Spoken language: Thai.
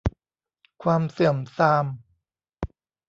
ความเสื่อมทราม